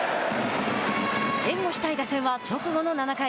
援護したい打線は直後の７回。